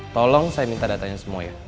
tolong saya minta datanya semua ya